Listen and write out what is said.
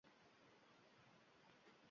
Nitsheni bilmas